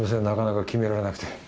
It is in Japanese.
なかなか決められなくて。